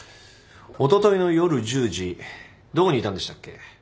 おとといの夜１０時どこにいたんでしたっけ？